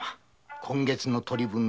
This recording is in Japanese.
今月の取り分